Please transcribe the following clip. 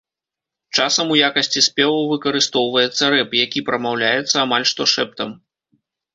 Часам у якасці спеваў выкарыстоўваецца рэп, які прамаўляецца амаль што шэптам.